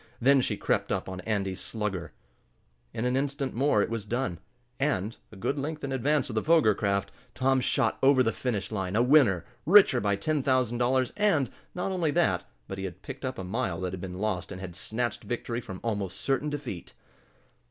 Then she crept up on Andy's Slugger. In an instant more it was done, and, a good length in advance of the Foger craft, Tom shot over the finish line a winner, richer by ten thousand dollars, and, not only that, but he had picked up a mile that had been lost, and had snatched victory from almost certain defeat.